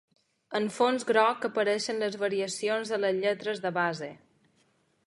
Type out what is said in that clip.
En fons groc apareixen les variacions de les lletres de base.